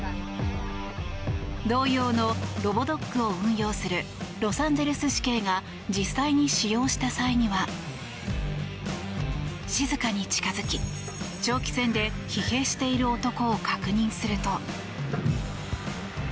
同様のロボドッグを運用するロサンゼルス市警が実際に使用した際には静かに近づき、長期戦で疲弊している男を確認すると。